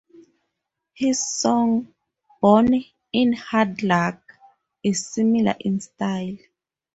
His song "Born in Hard Luck" is similar in style.